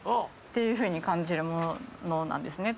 ていうふうに感じるものなんですね。